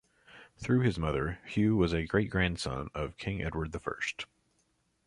Through his mother, Hugh was a great grandson of King Edward the First.